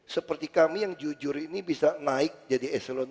seperti kami yang jujur ini bisa naik jadi eselon dua